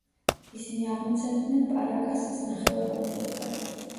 ისინი აღმოცენდნენ პარაკასის ნახევარკუნძულზე.